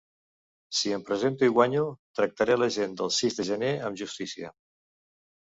Si em presento i guanyo, tractaré la gent del sis de gener amb justícia.